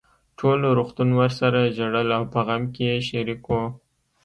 ټول روغتون ورسره ژړل او په غم کې يې شريک وو.